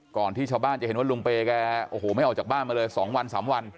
ที่ชาวบ้านจะเห็นว่าลุงเปย์แกโอ้โหไม่ออกจากบ้านมาเลย๒วัน๓วัน